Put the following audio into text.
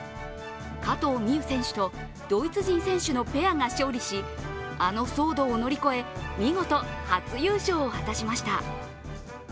加藤未唯選手とドイツ人選手のペアが勝利しあの騒動を乗り越え、見事、初優勝を果たしました。